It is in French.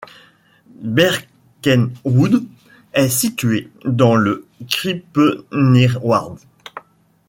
Berkenwoude est situé dans le Krimpenerwaard.